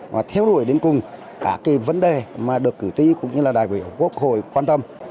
và theo đuổi đến cùng cả cái vấn đề mà được cử tri cũng như là đại biểu quốc hội quan tâm